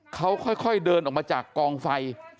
เขาค่อยเดินออกมาจากกองไฟ